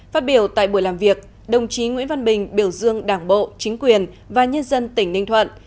phát biểu tại buổi làm việc đồng chí nguyễn văn bình biểu dương đảng bộ chính quyền và nhân dân tỉnh ninh thuận